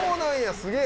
すげえ！